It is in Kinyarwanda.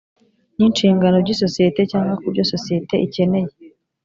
n’inshingano by’isosiyete cyangwa ku byo isosiyete ikeneye